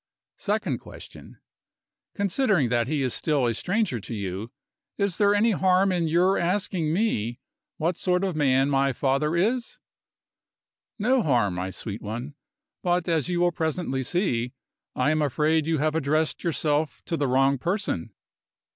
Second question: Considering that he is still a stranger to you, is there any harm in your asking me what sort of man my father is? No harm, my sweet one; but, as you will presently see, I am afraid you have addressed yourself to the wrong person.